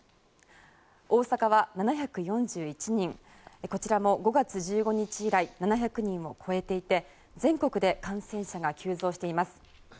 大阪は７４１人こちらも５月１５日以来７００人を超えていて全国で感染者が急増しています。